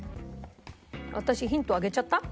私ヒントあげちゃった？